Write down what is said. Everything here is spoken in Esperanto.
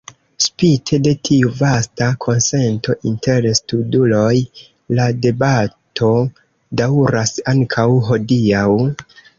Spite de tiu vasta konsento inter studuloj, la debato daŭras ankaŭ hodiaŭ.